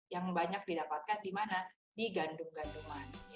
yang banyak didapatkan di mana di gandum ganduman